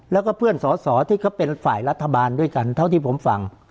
แล้วก็เพื่อนสอสอที่เขาเป็นฝ่ายรัฐบาลด้วยกันเท่าที่ผมฟัง